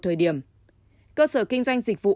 thời điểm cơ sở kinh doanh dịch vụ